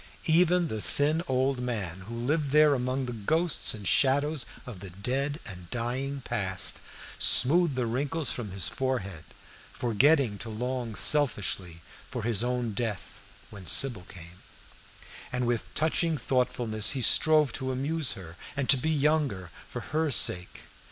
Even the thin old man, who lived there among the ghosts and shadows of the dead and dying past, smoothed the wrinkles from his forehead, forgetting to long selfishly for his own death, when Sybil came; and with touching thoughtfulness he strove to amuse her, and to be younger for her sake.